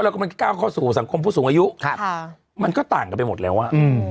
เพราะเราก็มันกล้าวเข้าสู่สังคมผู้สูงอายุมันก็ต่างกันไปหมดแล้วอะ